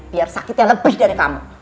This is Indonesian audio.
biar sakitnya lebih dari kamu